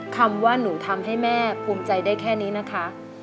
คำว่าหนูทำให้แม่ภูมิใจได้แค่นี้นะคะ